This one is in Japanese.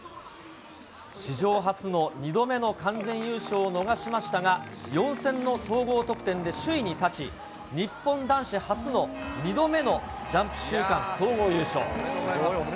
史上初の２度目の完全優勝を逃しましたが、４戦の総合得点で首位に立ち、日本男子初の２度目のジャンプ週間総合優勝。